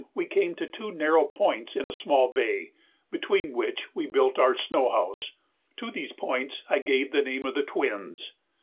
we came to two narrow points in a small bay, between which we built our snow house. To these points I gave the name of "the Twins."